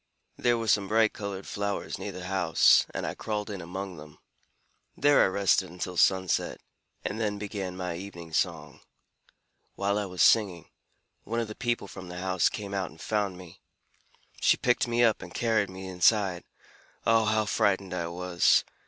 There were some bright colored flowers near the house, and I crawled in among them. There I rested until sunset, and then began my evening song. While I was singing, one of the people from the house came out and found me. She picked me up and carried me inside. Oh, how frightened I was!